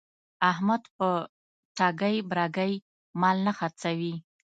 احمد په ټګۍ برگۍ مال نه خرڅوي.